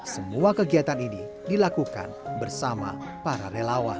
semua kegiatan ini dilakukan bersama para relawan